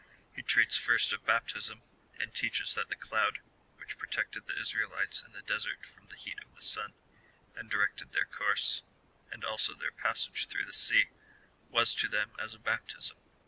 He treats first of baptism, and teaches that the cloud, which protected the Israelites in the desert from the heat of the sun, and directed their course, and also their passage through the sea, was to them as a baptism.